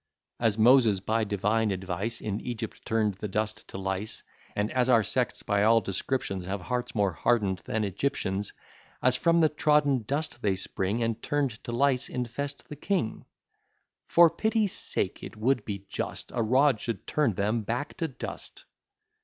As Moses, by divine advice, In Egypt turn'd the dust to lice; And as our sects, by all descriptions, Have hearts more harden'd than Egyptians As from the trodden dust they spring, And, turn'd to lice, infest the king: For pity's sake, it would be just, A rod should turn them back to dust.